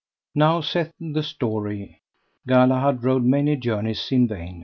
Now, saith the story, Galahad rode many journeys in vain.